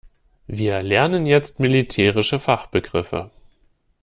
Wir lernen jetzt militärische Fachbegriffe.